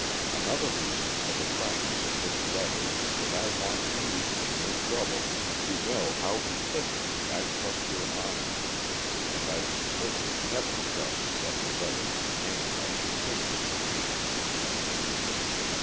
Another reason for the frankness of this letter is that I want you, in your trouble, to know how implicitly I trust your honor; and I should certainly never trust such a letter in any but the cleanest of hands.